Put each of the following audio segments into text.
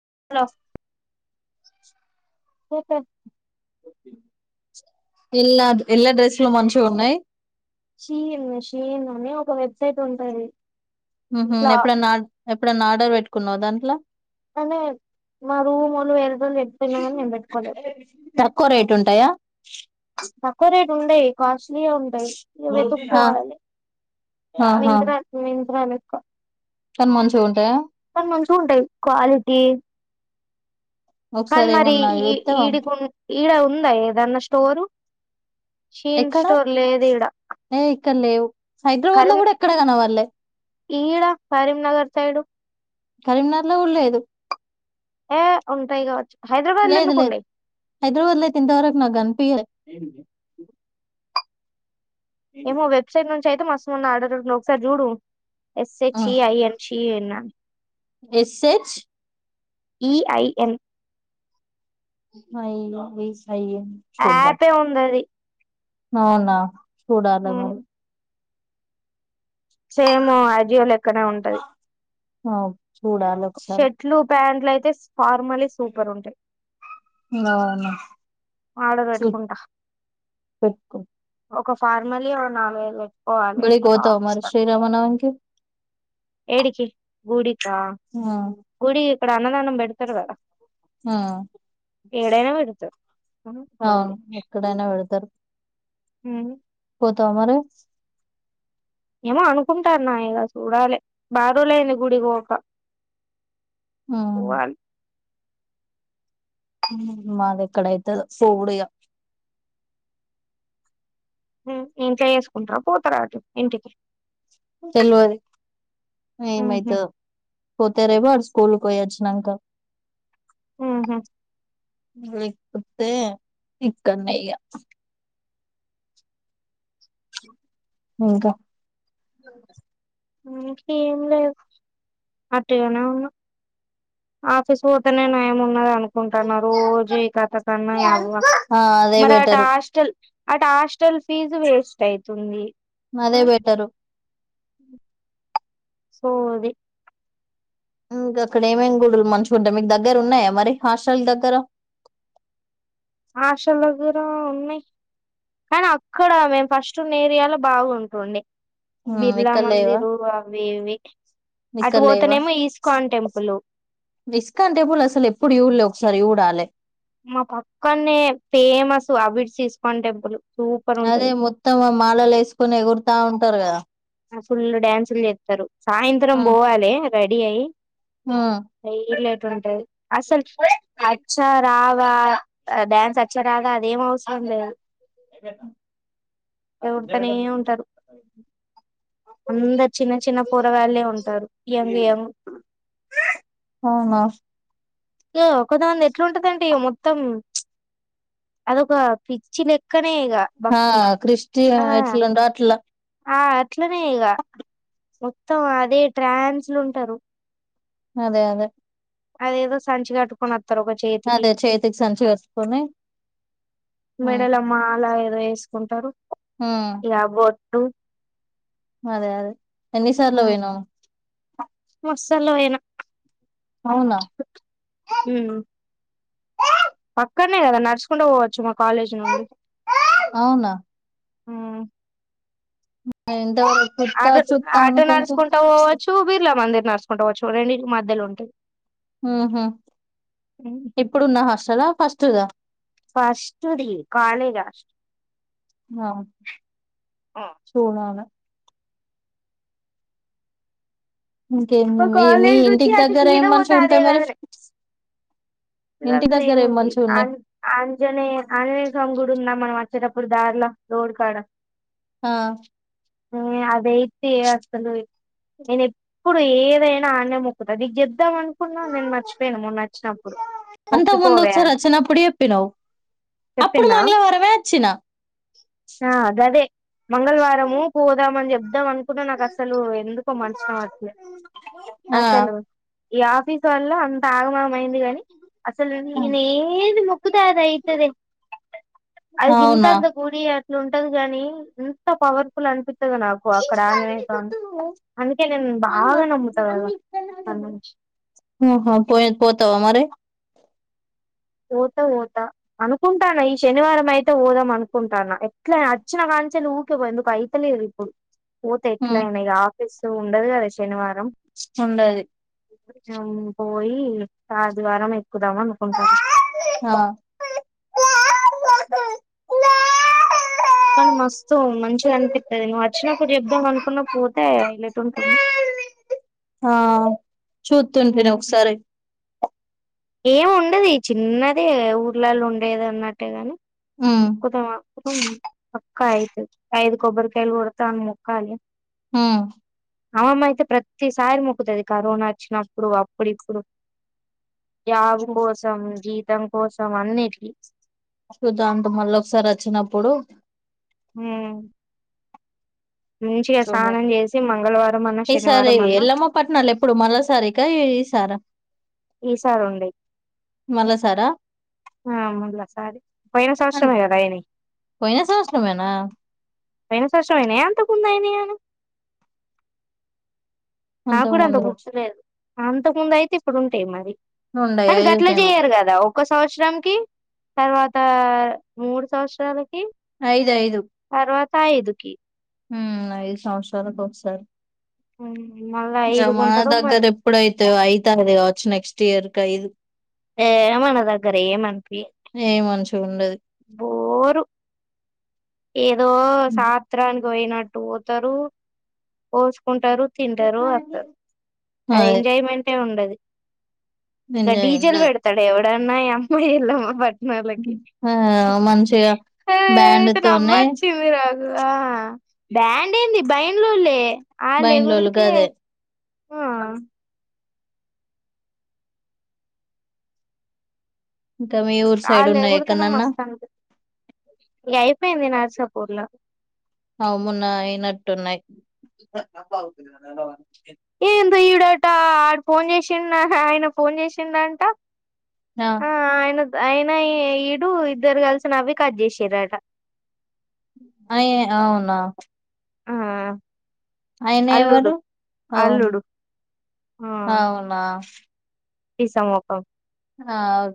[unintelligible] ఎలా ఎలా డ్రెస్ లో మంచిగా ఉన్నాయి షీన్ షీన్ అని ఒక వెబ్సైట్ ఉంటాది ఎప్పుడైన్నా ఎప్పుడైన్నా ఆర్డర్ పెట్టుకున్నావు దాంట్లో అనే మా రూ వాళ్లుు వేర రోజు లేకపోయినా కాని నేను పెట్టుకోలేదు ఎక్కువ రేట్ ఉంటాయా తకువ రేట్ ఉండ కాస్ట్ ఉంటాయి ఆ వెతుక్వాలి చాల మంచిగా ఉంటాయా అ మంచిగా ఉంటాయి క్వాలిటీ కానీ ఒకసారి మరి ఏమన్నా ఈ చూస్తే పంపి ఈడికు ఈడ ఉందా ఏదన్నా స్టోరు షీన్ ఎక్కడ స్టోర్ లేదు ఈడ ఏ ఇక్కడ లేవు హైదరాబాద్ లో కూడా ఎక్కడ కన వాళ్ళలేే ఈడా కరీంనగర్ సైడు కరీంనగర్ లో ఉలేదు ఏ ఒంటా కావచ్చు హైదరాబాద్ లో లేదు ఎందుకు లేదు ఉండయి హైదరాబాద్ లో తింత వరకు నాకు అనిపి ఏమో వెబ్సైట్ నుంచి అయితే మస్తుం ఉన్న ఆర్డర్ ఒకసారి చూడు ఎస్సెచ్ ఐఎన్ ఇనా ఎస్ ఎచ్ ఈ ఐఎన్ స ఏ సై చోద్ద యాపే ఉందది అవునా చూడాలి ఉమ్, మరి సేమ్ ఐజియలు ఎక్కడ ఉంటది ఆ చూడాలి ఒకసారి షర్ట్లు ప్యాంట్లు అయితే ఫార్మలీ సూపర్ ఉంటాయి అవునా ఆడ చూ పెట్టుకుంటా పెట్టుకో ఒక ఫార్మల్ నాలుగు వేలు పె పోవాలి గుడికి పోతావా మరి శ్రీరామనవమికి ఏడికి గుడికా ఆ గుడి ఇక్కడ అన్నదానం పెడతారు కదా ఆ ఏడైనా పెడుతు అవును ఎక్కడైనా వెడతారు హు అరి ఏమో అనుకుంటారు నా ఇక చూడాలి బారులేని గుడిక ఓ ఉమ్ వాల్ మాది ఎక్కడైతు ఫోడిగా ఇంట్లో చేసుకుంటార పోతారు అటు ఇంటికి తెెల్వరి అ ఉహు మాయితే పోతే రే బర్స్ స్కూల్ పోయచ్చనంక ఆహ తే చక్కన్నయ్యా ఇంకా ఇంక ఏం లేదు అటుగానే ఉన్నా ఆఫీస్ పోతేనే నయం ఉన్నదాను కుంటానారు జై కథ కన్నా అవ్వ ఆ అదే మరట బెటరు హాస్టల్ అటు హాస్టల్ ఫీజు వేస్ట్ ఐతుంది అదే బెటరు సో అదే ఇంకా అక్కడ ఏమేం గుడులు మంచిగుంటయ్ మీకు దగ్గర ఉన్నాయా మరి హాస్టల్ దగ్గర హాస్టల్ దగ్గర ఉన్నాయి కానీ అక్కడ మేము ఫస్ట్ వున్న ఏరియాలో బాగుంటుండె ఉమ్ బిర్లా మందిరు అవి ఇవి అటు ఇక్కలేవా పోతేనేమో ఈస్కాన్ టెంపుల్ ఇస్కొన్ టెంపుల్ అసలు ఎప్పుడు చూలే ఒకసారి చ్చుడాలి చ్చుడాలే మా పక్కనే famous Abids ISKCON temple super అదే ఉంటది మొత్తం మాలలు ఏసుకొని ఎగురుతా ఉంటారు కదా ఫుల్లు డ్యాన్సులు చేత్తరు సాయంత్రం ఆ పోవాలే రెడీ అయ్యి ఆ హైలెట్ ఉంటది అసలు అచ్చా రావా డ్యాన్స్ అచ్చా రాదా అదేం అవసరం లే ఏనాజ ఎగురుతనే అంతా చిన్న చిన్న పోరగాళ్లే ఉంటరు యంగ్ యంగ్ ఆ హా ఏ ఒకదానిదే ఎట్లుంటదంటె మొత్తం అదొక పిచ్చి లెక్కన మే ఇగ ఆ భక్తి క్రిస్టి ఆ ఎట్లుండో అట్లా ఆ అట్లనే ఇగ మొత్తం అదే ట్రాన్స్లు ఉంటరు అదే అదే అదేదో సంచి కట్టుకుని వత్త తరు ఒక చేతికి అదే చేతికి సంచి కట్టుకొని ఉమ్, మెడలో మాల వేసుకుంటారు ఉమ్, ఇగ బోట్టు అదే అదే ఎన్నిసార్లు పోయినవ్ మస్త్ సార్లు పోయిన అవునా హ్మ్ అక్కడనే కదా నడుచుకుంటూ పోవచ్చు మా కాలేజీ నుండి అవునా హ్మ్ నేను ఇంతవరకు చుత్తా అటు చుత్తా అటు అనుకుంటూ నడుచుకుంటా పోవచ్చు బీర్లా మందిర్ నడుస్ స్ కుంటపోవచ్చు రెండిటికి మధ్యలో ఉంటాయి ఇప్పుడున్న హాస్టలా ఫస్ట్ దా ఫస్ట్ ది కాలేజ్ హాస్టల్ ఆ చూడాల ఇంకే మా మీ మీ కాలేజ్ నుంచి ఇంటికి అటు దగ్గర సీదా ఏమి పోతే మంచిగా అదే ఉంటాయి మరి కదనే ఇంటి దగ్గర ఏం ఏముంది మంచిగా ఉన్నాయి ఆంజ్ ఆంజనేయ ఆంజనేయ స్వామి గుడి ఉందా మనం అ చెటప్పుడు దార్లా రోడ్ కాడ ఆ హ్మ్ అదయితే అసలు నేన్నేప్పుడు ఏదైనా ఆనే మొక్కుతా నీకి చెపదం అనుకున్నా నేను మర్చిపోయాను మొన్న అచ్చినప్పుడు అంత ముందొకసారి అచ్చినపుడు చెప్పినవ్ అప్పుడు చెప్పిన్నా మన్గ్లా వారమే అచ్చిన ఆ గదే మంగళవారము పోదామని చె ప్పుడా నాకు అసలు ఎందుకో మనసున పట్లే ఆ అసలు ఈ ఆఫీస్ వల్ల అంత ఆగమగం అయింది గాని అసలు ఇడనా ఏది ముక్కుతె అధైతదే అది అవునా గింతంత గుడి అట్లు ఉంటది గాని ఎంత పవర్ఫుల్ అనిపించి ఉత్తగ నాకు అక్కడ ఆంజనేయ స్వామి అందుకే నేను బాగ నమ్ముత కదా అక్కని నుంచి ఉఁ హు పోయేద్ పోతవా మరి ఓతే ఓత అనుకుంటానా ఈ శనివారం అయితే ఓదం అనుకుంటానా ఎట్ల అచ్చిన కాం చెలి ఊకే పో ఎందుకో అయితలేదు ఇప్పుడు. పోతే ఎట్లా ఉమ్ ఇగ ఆఫీస్ ఉండదు కదా శనివా ఉండది అఁ పోయి ఆదివారం ఎక్కుదాం అనుకుంటాన ఆఁ కానీ మస్తు మంచిగ అనిపిత్తది. నువ్వు అచ్చినప్పుడు చెప్దం అనుకున్న పోతే ఐలెట్ ఉంటుంది. ఆఁ చూతుంటిని మ్ ఒక్సారి ఏం ఉండది చిన్నదే ఊర్లలో ఉండేది అన్నట్టే గానీ, ఉమ్ మొక్కితే మాత్రం పక్క అయితది. ఐదు కొబ్బరికాయలు కొడుత అని మొక్కాలే మ్మ్ అమ్మమ్మ అయితే ప్రతిసారి మొక్కుతది కరోనా అచ్చినప్పుడు అప్పుడు ఇప్పుడు. జాబు చూ కోసం జీతం కోసం అన్నిటికి. చూద్దం అంత మళ్ళ ఒకసారి వచ్చినప్పుడు హ్మ్ఁ చూద్దం, చేసి మంగళవారం అన్నా ఈ సారి శనివారం అన్నా ఎల్లమ్మ పట్నాలు ఎప్పుడు మళ్ల సారి కా ఈసారా? ఈసారి ఉండయి మళ్ళసారా ఆ మళ్ల సారి పోయిన అన్ సంవత్సరమే గదా అయినయి. పోయిన సంవత్సరమేనా పోయిన సంవత్సరం అయినయా, అంతకు ముందు అయినయా? అంతకు నాక్కూడా అంత ముందు గుర్తులేదు అంత ముందు అయితే ఇప్పుడుంటయి మరి. నుండయి కానీ గట్ల ఐదుకేమో జెయ్యరు గదా ఒక్క సంవత్సరం కి తర్వాత మూడు సంవత్సరాల అయిదయిదు అయిదుకి హ్మ్ ఐదు సంవత్సరాలకు ఒకసారి ఉమ్, మళ్ళా ఇంగ ఐదుకు మా ఉంటదో దగ్గర మరి ఎప్పుడైతయో అయితాది కావొచ్చు నెక్స్ కియర్ కి అయిదు ఏ మన దగ్గర ఏమనిపియద్ ఏ మంచిగా ఉండదు బోరు ఏదో సాత్రానికి పోయినట్టు పోతరు పో ఉంటరు, తింటరు, వత్తరు ఆ అదే ఎంజాయ్మెంటే ఉండది గా ఎంజాయ్ డీజే లు ఉండదు పెడుతడ ఎవడన్నా యమ్మ ఎల్లమ్మ పం మెర్లకి ఆ మంచిగా ఏయ్ బ్యాండ్ తోనే నవ్వొచ్చింది నాకు ఆఁ బ్యాండ్ ఏంది బయింన్లోలే బైన్లోళ్ళు ఆలెగురుడికీ గదే ఆఁ ఇంకా మీ ఊరు సైడ్ ఉన్నాయ ఆలెగురెతెనే ఎక్కనన్నా మస్త్ అనిపిత్తది, ఇగ అ అయిపోయింది నర్సాపూర్లో అవు మొన్న అయినట్టు ఉన్నయి ఏందో ఈడ ఇట్టా ఆడు ఫోన్ చేసిం ఆ ఆయన ఫోన్ చే శిండంట ఆ అయినా ఈడు ఇద్దరు కలిసినవి కట్ చేసిరటా అయే అవునా ఆ ఆయన అల్లుడు ఎవరు అవును అల్లుడు అవునా! తీసమ ఒక ఆ అవు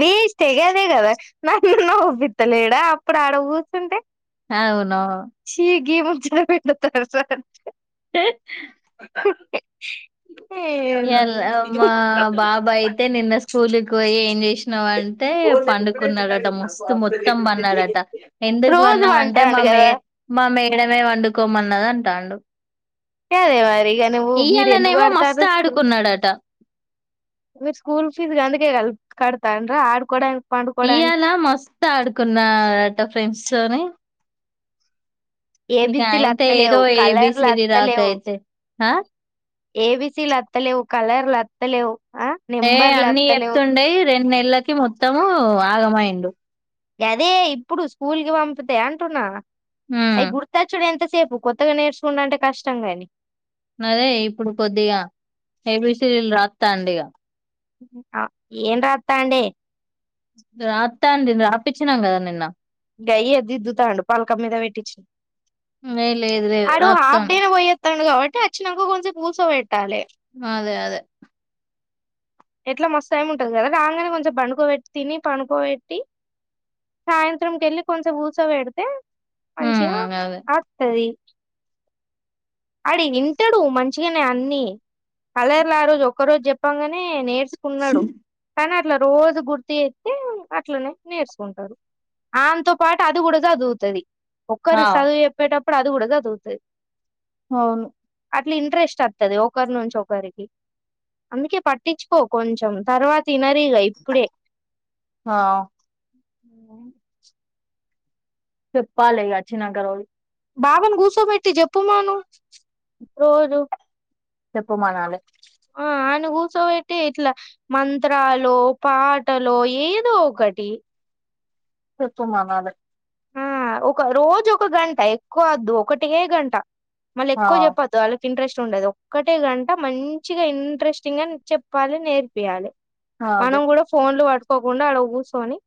వీచ్ త కంది కద నన్నున్న ఒ్బత్తలేడా అప్పుడు ఆడ కూర్చుంటే ఆ అవును గ ముంచ పెట్ తర్స ఎల్ అమ్ బాబా అయితే నిన్న స్కూల్కి పోయి ఏం చేసినావు అంటే పండుకున్నాడట మస్తు మ మొత్తం అన్నాడట ఎందుకు రోజు వన్నా అంటే మా పంటాండు మే కదా మా మేడమే వండుకోమన్నది అంటే ంటాలు కదే మరి ఇక నువ్వు మీరు ఎందుకు ఇయ్యాలనేమో పడతారు మస్తు స్కూల్ ఆడుకున్నాడట నందక కల్ కడతాండ ఆడుకోడా ఇవాలా మస్తు ఆడుకున్నడట ఫ్రెండ్స్ తోని ఇకా ఏబిసిలు అయింత ఏదో అత్తలేవు కలర్లు ఏబీసరి రాక అయితే ఏబీసీ లులత్తలేవు కలర్లులత్తలేవు ఏ అన్నీ చెప్తుండేయి రెండు నెలలకి మొత్తము ఆగమయిండు అదే ఇప్పుడు స్కూల్ కి పంపితే అంటున్నా ఉమ్ అవి గుర్తచ్చుడు ఎంతసేపు కొత్తగా నేర్చుకుంట అంటే కష్టం కాని అదే ఇప్పుడు కొద్దిగా ఏబీసీలు రాస్తా అండి ఇక ఏం రాస్తా అండి రాస్తా అండి రాపచ్చినాం కదా నిన్న గయ ఎ ద ఇద్దు తాండు పాలకం మీద పెట్టిచ్చిన ఏ లేదు లేదు అడు హాఫ్ రాత్తాండు డేనే పోయేస్తాండు కాబట్టి అక్షన్కో కొంచెం పూసో పెట్టాలి అదే అదే ఎట్లా మస్త ఏమి ఉంటది కదా రాగానే కొంచెం పడుకోబెట్టి తిని పడుకోబెట్టి సాయంత్రంక వెళ్ళి కొంచెం ఊసో పెడితే మంచిగా ఉమ్ అదే అతుది ఆడి వింటాడు మంచిగానే అన్నిీ కలర్లో ఆ రోజు ఒక్క రోజు చెప్పంగానే నేర్ నేర్చకున్నాడు కానీ అట్లా రోజు గుర్తు ఎతే అట్లనే నేర్చుకుంటాడు ఆతో పాటు అది కూడాగా చదువుతుది ఒక్కరు ఆ చదువు చెప్పేటప్పుడు అది కూడా చదువుతుంది అవును అట్లా ఇంట్రెస్ట్ వస్తుది ఒకరి నుంచి ఒకరికి అందుకే పట్టించుకో కొంచెం తర్వాత సినరీగా ఇప్పుడ ఆ చెప్పాల గచ్చ నాగరవి బాబని కూర్చోబెట్టి చెప్పుమాను రోజు చెప్పమానాాల సో అంటే ఇట్లా మంత్రాలు పాటలు ఏదో ఒకటి చెప్ప మనాాల ఆ ఒక రోజు ఒక గంట ఎక్కువ వద్దు ఒకటే గంట మళ్ళీ ఆ ఎక్కువ చెప్పద్దు వాళ్ళ ఇంట్రెస్ట్ ఉండదు ఒక్కటే గంట మంచిగా ఇంట్రెస్టింగ్ గాని చెప్పాలి నేర్పియాలి ఆ మనం అదే కూడా ఫోన్లు పట్టుకోకుండా అడ కూర్చొని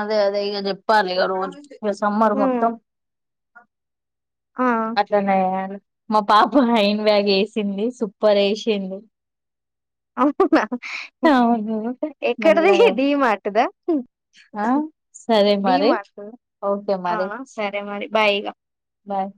అదే అదే ఇక చెప్పాలి ఇక రోజు ఇక సమ్మర్ ఉమ్, మొత్తం ఆ అట్లానే మా పాప హైన్ బ్యాగ్ వేసింది సూపర్ వేసింది అవునా అవును ఎక్కడది మెల్లగా ఇది మాటదా ఆ సరే మరి మార్ట్ ఓకే ఆ మరి సరే మరి బాయ్ ఇగ బాయ్